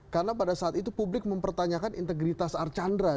karena pada saat itu publik mempertanyakan integritas archandra